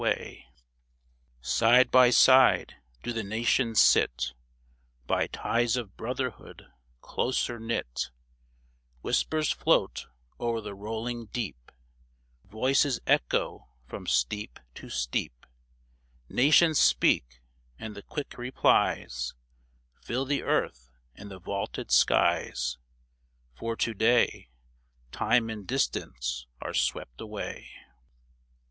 THE DEAD CENTURY 103 Side by side do the Nations sit By ties of brotherhood closer knit ; Whispers float o'er the rolling deep ; Voices echo from steep to steep ; Nations speak, and the quick replies Fill the earth and the vaulted skies ; For to day Time and distance are swept a .vay.